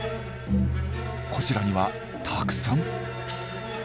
こちらにはたくさん。